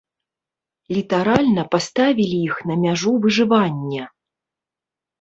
Літаральна паставілі іх на мяжу выжывання.